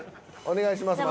お願いします。